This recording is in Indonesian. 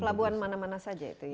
pelabuhan mana mana saja itu